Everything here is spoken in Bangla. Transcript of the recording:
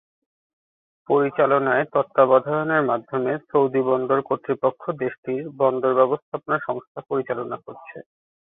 পরিচলনায় তত্ত্বাবধানের মাধ্যমে সৌদি বন্দর কর্তৃপক্ষ দেশটির বন্দর ব্যবস্থাপনা সংস্থা পরিচালনা করছে।